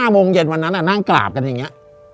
โมงเย็นวันนั้นนั่งกราบกันอย่างนี้